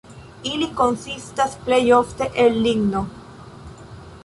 Ili konsistas plej ofte el ligno.